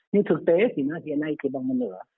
nhưng thực tế thì nó hiện nay chỉ bằng một nửa